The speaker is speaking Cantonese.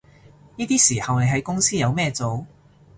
呢啲時候你喺公司有咩做